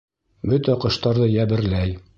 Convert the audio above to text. Бөтә ҡоштарҙы йәберләй.